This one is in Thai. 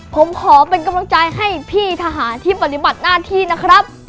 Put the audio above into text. ผมขอเป็นกำลังใจให้พี่ทหารที่ปฏิบัติหน้าที่นะครับ